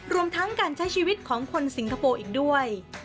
รวมทั้งการใช้ชีวิตของคนสิงคโปร์อีกด้วย